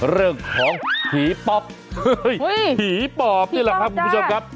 เรื่องของผีปอบผีปอบนี่แหละครับคุณผู้ชมครับ